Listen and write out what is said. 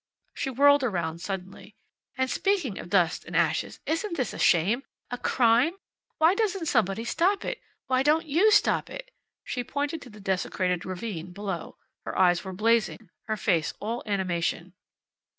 She whirled around suddenly. "And speaking of dust and ashes, isn't this a shame? A crime? Why doesn't somebody stop it? Why don't you stop it?" She pointed to the desecrated ravine below. Her eyes were blazing, her face all animation.